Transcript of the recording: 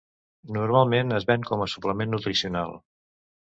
Normalment es ven com a suplement nutricional.